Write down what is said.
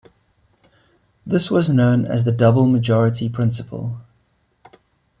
This was known as the double majority principle.